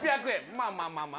まあまあまあまあ